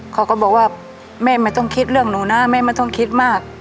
เขาก็บอกว่าแม่ไม่ต้องคิดเรื่องหนูนะแม่ไม่ต้องคิดมาก